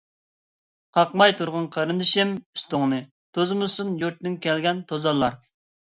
قاقماي تۇرغىن قېرىندىشىم ئۈستۈڭنى، توزۇمىسۇن يۇرتتىن كەلگەن توزانلار.